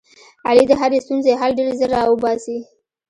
علي د هرې ستونزې حل ډېر زر را اوباسي.